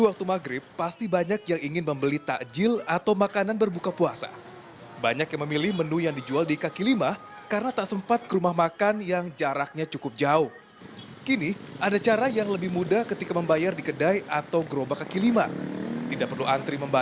kami akan mencari uang pas untuk belanja makanan atau minuman di warteg atau warung kaki lima